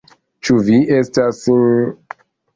Ĉu vi estas...